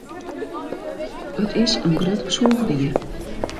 It is in grut sûchdier.